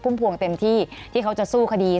ทุ่มพวงเต็มที่ที่เค้าจะสู้คดี